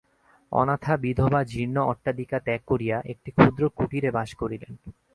অনাথা বিধবা জীর্ণ অট্টালিকা ত্যাগ করিয়া একটি ক্ষুদ্র কুটিরে বাস করিলেন।